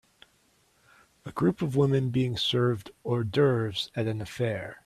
A group of women being served hors d'oeuvres at an affair.